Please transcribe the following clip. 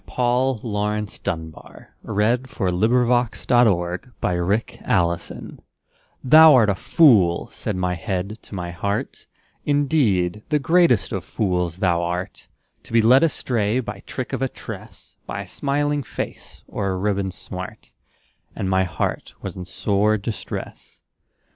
Paul Laurence Dunbar Retort THOU art a fool," said my head to my heart, "Indeed, the greatest of fools thou art, To be led astray by trick of a tress, By a smiling face or a ribbon smart;" And my heart was in sore distress.